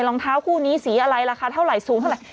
รองเท้าคู่นี้สีอะไรราคาเท่าไหร่สูงเท่าไหร่